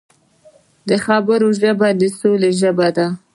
د خبرو ژبه د سولې ژبه ده